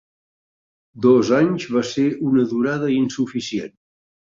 Dos anys va ser una durada insuficient.